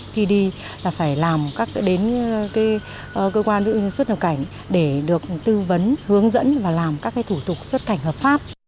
từ đầu năm hai nghìn một mươi chín đến nay phòng quản lý xuất nhập cảnh đã phối hợp với lực lượng biên phòng tại các cửa khẩu trên địa bàn tỉnh